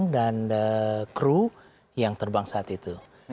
dan kru yang terbang saat itu